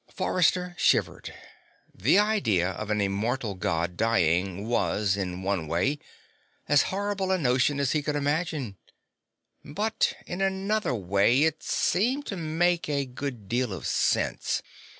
Forrester shivered. The idea of an immortal God dying was, in one way, as horrible a notion as he could imagine. But in another way, it seemed to make a good deal of sense.